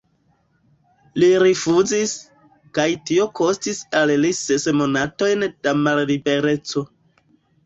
Li rifuzis, kaj tio kostis al li ses monatojn da mallibereco.